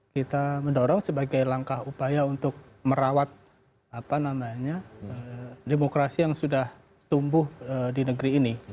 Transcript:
kita mendorong sebagai langkah upaya untuk merawat demokrasi yang sudah tumbuh di negeri ini